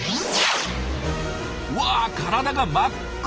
うわ体が真っ黒！